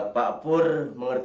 pak pur mengerti